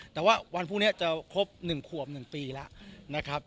แต่ว่าวันพรุ่งนี้จะครบ๑ขวบ๑ปีแล้วนะครับ